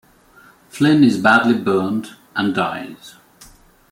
Flynn is badly burned and dies.